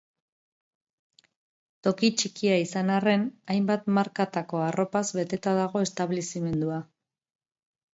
Toki txikia izan arren, hainbat markatako arropaz beteta dago establezimendua